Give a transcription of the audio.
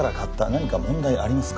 何か問題ありますか？